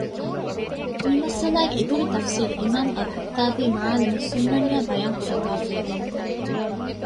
މިމައްސަލައިގެ އިތުރު ތަފްޞީލު އިމާމު އަލްޚައްޠާބީ މަޢާލިމުއް ސުނަންގައި ބަޔާންކުރަށްވާފައި ވެ